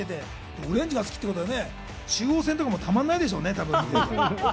オレンジ好きってことは中央線もたまんないでしょうね。